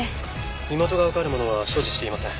身元がわかるものは所持していません。